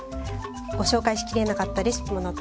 ご紹介しきれなかったレシピも載っています。